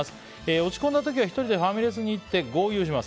落ち込んだ時は１人でファミレスに行って豪遊します。